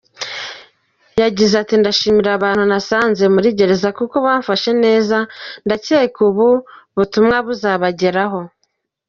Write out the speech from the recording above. Yagize ati “Ndashimira abantu nasanze muri gereza kuko bamfashe neza, ndakeka ubu butumwa buzabageraho.